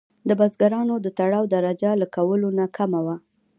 د بزګرانو د تړاو درجه له کولونو کمه وه.